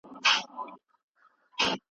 همکاري د ایمان نښه ده.